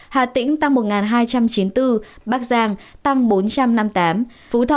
hà tĩnh một nghìn hai trăm chín mươi bốn bắc giang bốn trăm năm mươi tám phú thọ một trăm bốn mươi ba